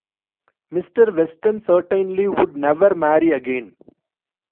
Mr Weston certainly would never marry again.